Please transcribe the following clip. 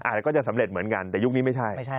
ก็จะสำเร็จเหมือนกันแต่ยุคนี้ไม่ใช่